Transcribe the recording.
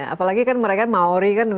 apalagi kan mereka maori kan